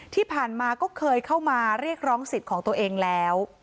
ที่ผ่านมาก็เคยเข้ามาเรียกร้องสิทธิ์ของตัวเองแล้ว